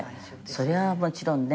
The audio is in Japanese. そりゃもちろんね